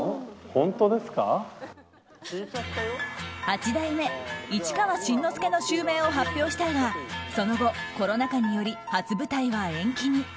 八代目市川新之助の襲名を発表したがその後、コロナ禍により初舞台は延期に。